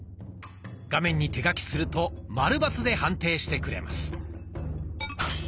画面に手書きするとマルバツで判定してくれます。